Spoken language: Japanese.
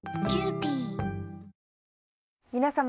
皆様。